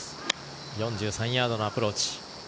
４３ヤードのアプローチ。